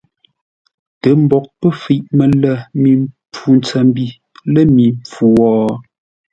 Tə mboʼ pə́ fəiʼ mələ mi mpfu ntsəmbi lə̂ mi mpfu wo?